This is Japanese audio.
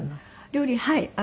料理はい。